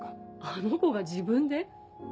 あの子が自分で？